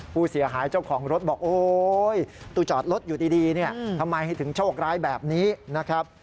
ผู้เสียหายเจ้าของรถบอกโอ๊ยตู้จอดรถอยู่ดีทำไมถึงโชคร้ายแบบนี้นะครับ